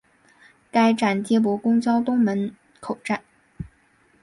该站接驳公交东门口站。